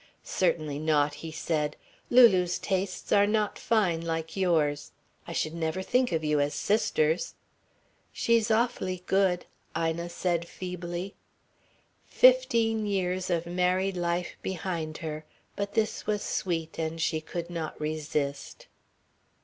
"Certainly not," he said. "Lulu's tastes are not fine like yours. I should never think of you as sisters." "She's awfully good," Ina said feebly. Fifteen years of married life behind her but this was sweet and she could not resist.